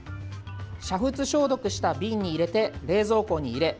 煮沸消毒した瓶に入れて冷蔵庫に入れ